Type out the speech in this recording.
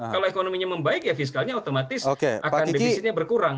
kalau ekonominya membaik ya fiskalnya otomatis akan defisitnya berkurang